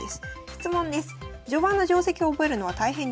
質問です」。